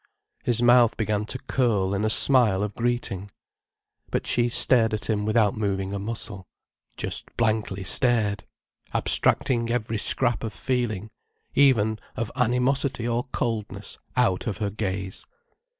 His mouth began to curl in a smile of greeting. But she stared at him without moving a muscle, just blankly stared, abstracting every scrap of feeling, even of animosity or coldness, out of her gaze.